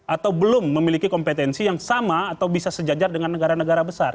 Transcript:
atau belum memiliki kompetensi yang sama atau bisa sejajar dengan negara negara besar